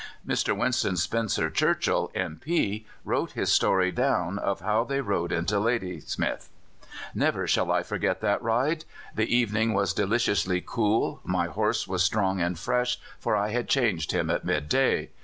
Mr. Winston Spencer Churchill, M.P., wrote his story down of how they rode into Ladysmith: "Never shall I forget that ride. The evening was deliciously cool. My horse was strong and fresh, for I had changed him at midday.